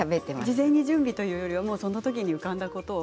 事前に準備というよりは浮かんだことを。